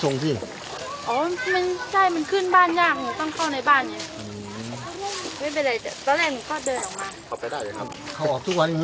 ตอนถึงห่วก็ไปถ่ายน้ำ